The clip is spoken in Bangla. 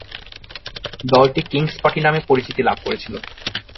দলটি "কিংস পার্টি" নামে পরিচিতি লাভ করেছিল।